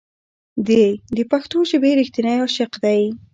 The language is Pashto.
دی د پښتو ژبې رښتینی عاشق دی.